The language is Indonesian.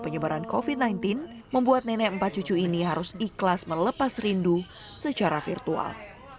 penyebaran covid sembilan belas membuat nenek empat cucu ini harus ikhlas melepas rindu secara virtual